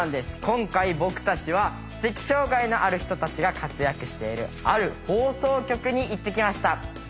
今回僕たちは知的障害のある人たちが活躍しているある放送局に行ってきました。